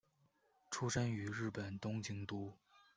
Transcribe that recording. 出身于日本东京都。